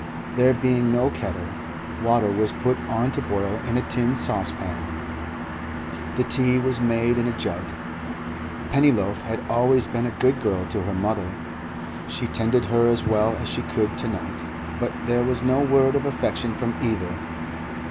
There being no kettle, water was put on to boil in a tin saucepan; the tea was made in a jug. Pennyloaf had always been a good girl to her mother; she tended her as well as she could to night; but there was no word of affection from either.